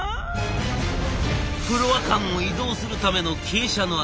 フロア間を移動するための傾斜のあるライン。